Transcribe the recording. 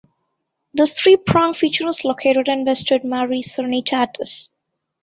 This three-pronged feature is located in western Mare Serenitatis.